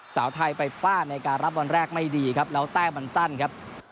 สาวไทยไปฟาดในการรับวันแรกไม่ดีครับแล้วแต้มมันสั้นครับ